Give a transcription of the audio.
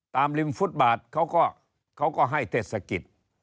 ริมฟุตบาทเขาก็ให้เทศกิจ